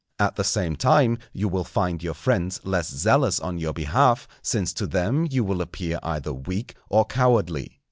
At the same time you will find your friends less zealous on your behalf, since to them you will appear either weak or cowardly.